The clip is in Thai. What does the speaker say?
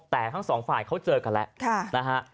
แต่ทั้งสองฝ่ายเขาเจอกันแล้วนะฮะ